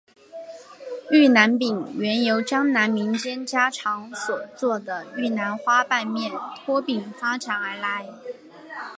玉兰饼原由江南民间家常所做的玉兰花瓣面拖饼发展而来。